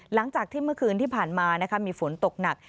หลังจากที่เมื่อคืนที่ผ่านมามีฝนตกหนัก